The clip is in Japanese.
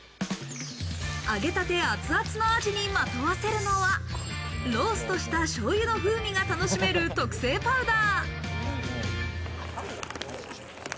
揚げたてアツアツのアジにまとわせるのは、ローストした醤油の風味が楽しめる特製パウダー。